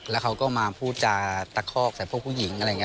แล้วเขาก็มาพูดจาตะคอกใส่พวกผู้หญิง